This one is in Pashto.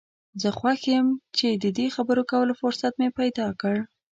زه خوښ یم چې د دې خبرو کولو فرصت مې پیدا کړ.